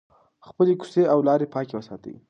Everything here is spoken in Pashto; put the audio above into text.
خپلې کوڅې او لارې پاکې وساتئ.